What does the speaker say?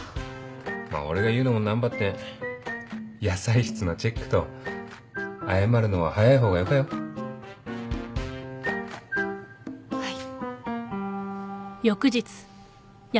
まあ俺が言うのも何ばってん野菜室のチェックと謝るのは早い方がよかよ。はい。